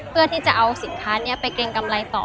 เพื่อที่จะเอาสินค้านี้ไปเกรงกำไรต่อ